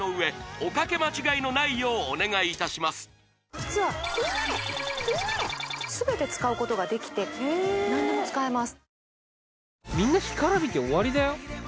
実は○○○○全て使うことができて何でも使えます